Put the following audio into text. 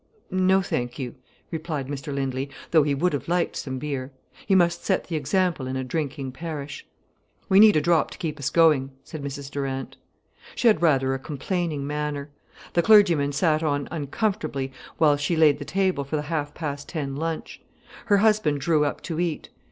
"No, thank you," replied Mr Lindley, though he would have liked some beer. He must set the example in a drinking parish. "We need a drop to keep us going," said Mrs Durant. She had rather a complaining manner. The clergyman sat on uncomfortably while she laid the table for the half past ten lunch. Her husband drew up to eat.